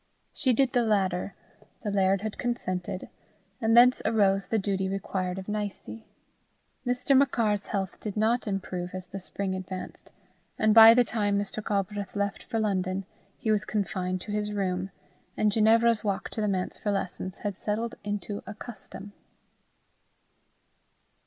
She did the latter; the laird had consented; and thence arose the duty required of Nicie. Mr. Machar's health did not improve as the spring advanced, and by the time Mr. Galbraith left for London, he was confined to his room, and Ginevra's walk to the manse for lessons had settled into a custom.